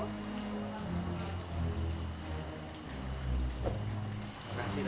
terima kasih tante